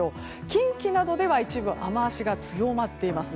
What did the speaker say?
近畿などでは一部、雨脚が強まっています。